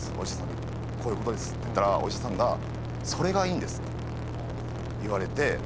「こういうことです」って言ったらお医者さんが「それがいいんです」って言われて。